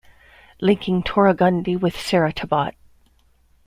Linking Toraghundi with Serhetabat.